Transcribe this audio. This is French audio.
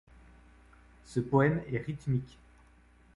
Ce poème est rythmique.